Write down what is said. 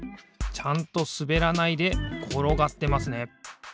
ちゃんとすべらないでころがってますね。